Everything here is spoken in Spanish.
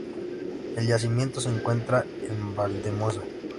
El yacimiento se encuentra en Valldemosa.